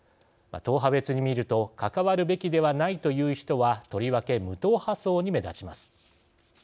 党派別に見ると関わるべきではないという人はとりわけ無党派層に目立ちます。